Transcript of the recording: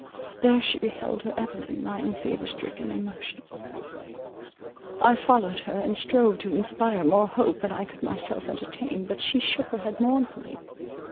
There she beheld her Evelyn lying fever stricken and motionless. I followed her, and strove to inspire more hope than I could myself entertain; but she shook her head mournfully.